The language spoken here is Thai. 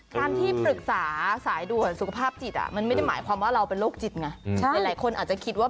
การที่ปรึกษาสายด่วนสุขภาพจิตมันไม่ได้หมายความว่าเราเป็นโรคจิตไง